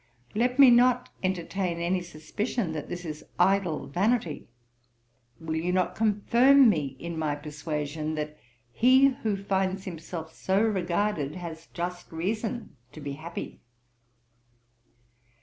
Let me not entertain any suspicion that this is idle vanity. Will not you confirm me in my persuasion, that he who finds himself so regarded has just reason to be happy?